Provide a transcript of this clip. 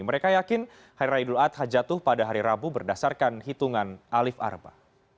mereka yakin hari raya idul adha jatuh pada hari rabu berdasarkan hitungan alif arba